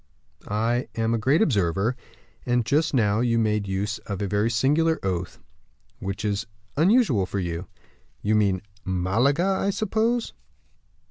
"I am a great observer; and just now you made use of a very singular oath, which is unusual for you." "You mean Malaga! I suppose?"